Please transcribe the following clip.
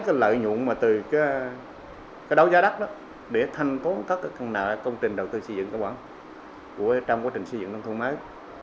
cái lợi nhuận mà từ cái đấu giá đắt đó để thanh toán các cái nợ công trình đầu tư xây dựng của trong quá trình xây dựng nông thôn mới